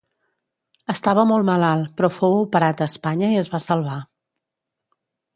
Estava molt malalt, però fou operat a Espanya i es va salvar.